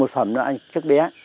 một phẩm là anh trước bé